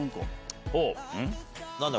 何だ？